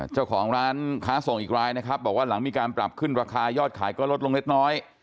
เจ้าของร้านค้าส่งอีกรายนะครับบอกว่าหลังมีการปรับขึ้นราคายอดขายก็ลดลงเล็กน้อย